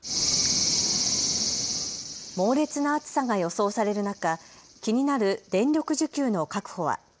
猛烈な暑さが予想される中、気になる電力受給の確保は。